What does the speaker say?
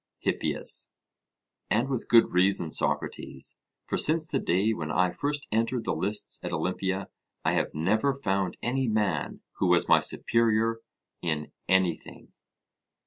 HIPPIAS: And with good reason, Socrates; for since the day when I first entered the lists at Olympia I have never found any man who was my superior in anything.